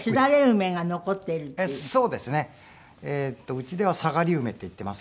うちではさがり梅って言っていますけど。